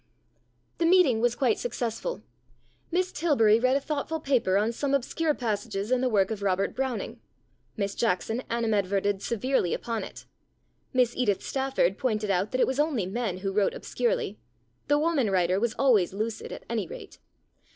The meeting was quite successful. Miss Tilbury read a thoughtful paper on some obscure passages in the work of Robert Browning ; Miss Jackson animadverted severely upon it ; Miss Edith Stafford pointed out that it was only men who wrote obscurely : the woman writer was always lucid, at any rate.